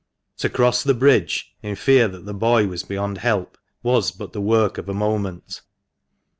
To cross the bridge, in fear that the boy was beyond help, was but the work of a moment.